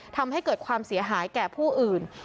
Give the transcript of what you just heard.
ทำให้เกิดความเสียหายแก่ผู้อื่น